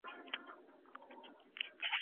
پرته له تقاضا د بدلون خبره نسو کولای.